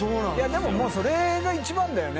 でももうそれが一番だよね